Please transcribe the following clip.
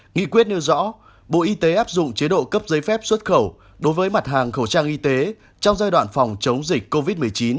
nghị quyết nêu rõ bộ y tế áp dụng chế độ cấp giấy phép xuất khẩu đối với mặt hàng khẩu trang y tế trong giai đoạn phòng chống dịch covid một mươi chín